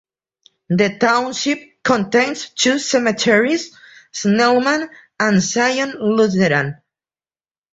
The township contains two cemeteries, Snellman and Zion Lutheran.